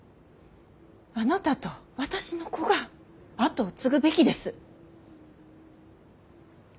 あなたと私の子が跡を継ぐべきです。